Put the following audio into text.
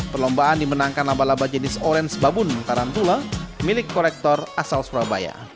perlombaan dimenangkan laba laba jenis orange babun tarantula milik korektor asal surabaya